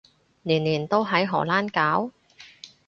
年年都喺荷蘭搞？